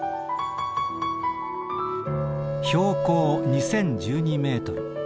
「標高２千１２メートル。